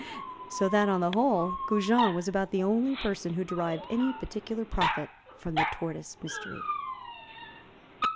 So that, on the whole, Goujon was about the only person who derived any particular profit from the tortoise mystery.